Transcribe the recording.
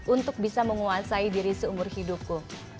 untuk bisa menguasai diri seumur hidupku